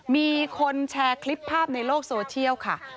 มีคนแชร์คลิปภาพในโลกโซเชียลค่ะ